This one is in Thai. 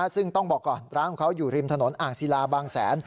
ซึ่งต้องบอกก่อนร้านของเขาอยู่ริมถนนอ่างศิลาบางแสน